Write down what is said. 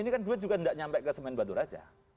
ini kan dua juga tidak nyampe ke semen batu raja